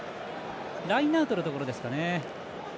ラインアウトのところですかね。